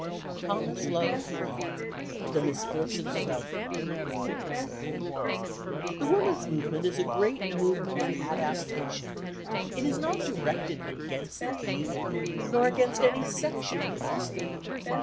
—THOMAS LOVE PEACOCK, The Misfortunes of Elphin. The women's movement is a great movement of adaptation. It is not directed against the community, nor against any section of the community.